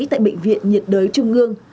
tại bệnh viện nhiệt đới trung ương